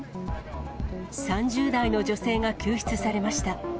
３０代の女性が救出されました。